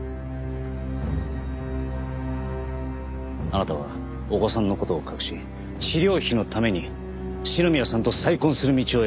あなたはお子さんの事を隠し治療費のために篠宮さんと再婚する道を選んだ。